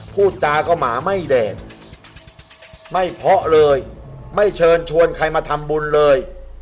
พูดจาก็หมาไม่แดงไม่เพาะเลยไม่เชิญชวนใครมาทำบุญเลย